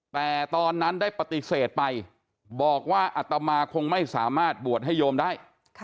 แต่ตอนนั้นได้ปฏิเสธไปบอกว่าอัตมาคงไม่สามารถบวชให้โยมได้